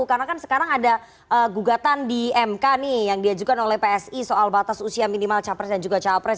karena kan sekarang ada gugatan di mk nih yang diajukan oleh psi soal batas usia minimal cawapres dan juga cawapres